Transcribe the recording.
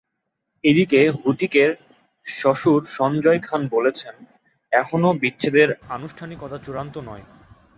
এদিকে হূতিকের শ্বশুর সঞ্জয় খান বলেছেন, এখনো বিচ্ছেদের আনুষ্ঠানিকতা চূড়ান্ত নয়।